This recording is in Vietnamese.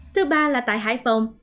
thứ ba là tại hải phòng